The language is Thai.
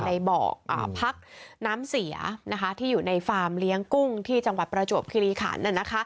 บอกพักน้ำเสียที่อยู่ในฟาร์มเลี้ยงกุ้งที่จังหวัดประจวบคิริขัน